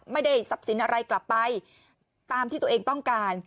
ไม่ได้ทรัพย์สินอะไรกลับไปตามที่ตัวเองต้องการ